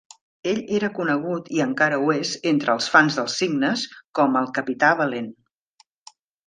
Ell era conegut i encara ho és entre els fans dels cignes com el "Capità valent".